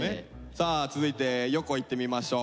さあ続いてよこいってみましょう。